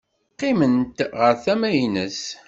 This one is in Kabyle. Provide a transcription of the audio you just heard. Qqiment ɣer tama-nnes.